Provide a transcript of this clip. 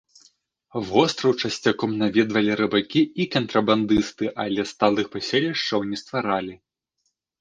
Востраў часцяком наведвалі рыбакі і кантрабандысты, але сталых паселішчаў не стваралі.